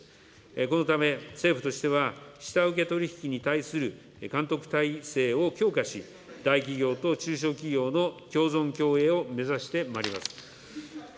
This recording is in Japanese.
このため、政府としては下請け取り引きに対する監督体制を強化し、大企業と中小企業の共存共栄を目指してまいります。